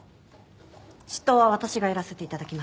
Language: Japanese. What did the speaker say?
執刀は私がやらせて頂きます。